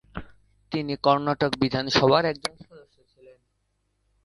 তিনি কর্ণাটক বিধানসভার একজন সদস্য ছিলেন।